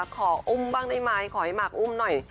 ขออุ้มบ้างได้ไหมขอให้หมากอุ้มหน่อย